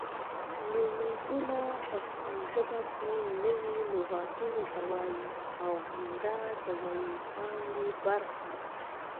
نویزونه پښتو ژبه کې نوي لغتونو ته وایي او همدا د وییپانګې برخه ده